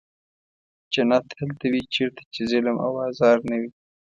جنت هلته وي چېرته چې ظلم او آزار نه وي.